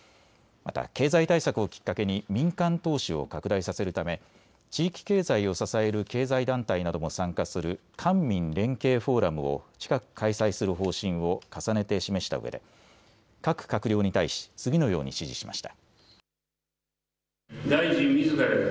また経済対策をきっかけに民間投資を拡大させるため地域経済を支える経済団体なども参加する官民連携フォーラムを近く開催する方針を重ねて示したうえで各閣僚に対し次のように指示しました。